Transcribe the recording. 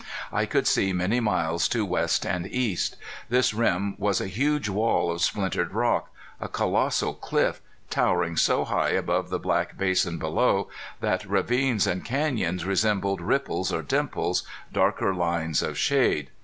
I could see many miles to west and east. This rim was a huge wall of splintered rock, a colossal cliff, towering so high above the black basin below that ravines and canyons resembled ripples or dimples, darker lines of shade.